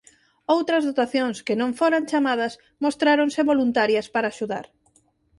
Outras dotacións que non foran chamadas mostráronse voluntarias para axudar.